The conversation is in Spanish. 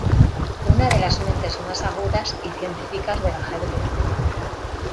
Una de las mentes más agudas y científicas del ajedrez.